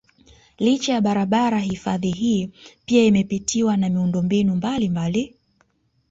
Licha ya barabara hifadhi hii pia imepitiwa na miundombinu mbalimbali